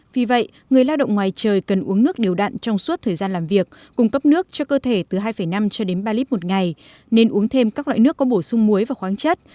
vì vậy người lao động ngoài trời cần uống nước điều đạn trong suốt thời gian làm việc cung cấp nước cho cơ thể từ hai năm cho đến ba lít một ngày nên uống thêm các loại nước có bổ sung muối và khoáng chất